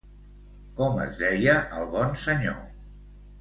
Com es deia el bon senyor?